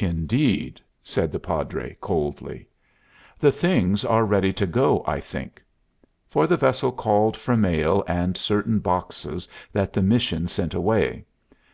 "Indeed." said the Padre, coldly. "The things are ready to go, I think." For the vessel called for mail and certain boxes that the mission sent away.